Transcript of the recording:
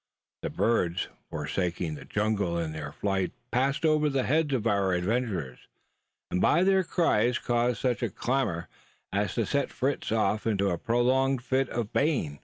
The birds, forsaking the jungle, in their flight passed over the heads of our adventurers, and by their cries caused such a clangour as to set Fritz off into a prolonged fit of baying.